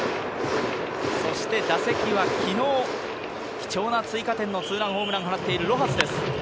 打席は昨日貴重な追加点のツーランホームランを放っているロハスです。